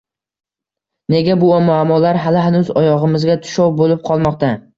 Nega bu muammolar hali-hanuz oyog‘imizga tushov bo‘lib qolmoqda?